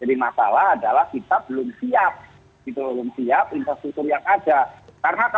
jadi masalah adalah kita belum siap infrastruktur yang ada